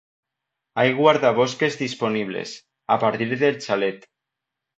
Hay guardabosques disponibles, a partir del chalet.